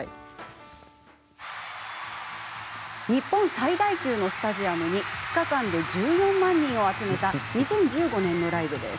日本最大級のスタジアムに２日間で１４万人を集めた２０１５年のライブです。